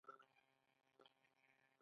آزاد تجارت مهم دی ځکه چې انسانیت ساتي.